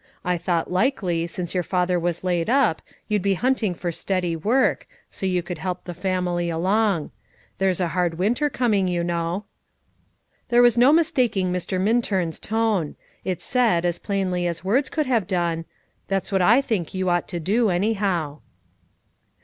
I thought likely, since your father was laid up, you'd he hunting for steady work, so you could help the family along. There's a hard winter coming, you know." There was no mistaking Mr. Minturn's tone. It said, as plainly as words could have done, "That's what I think you ought to do, anyhow."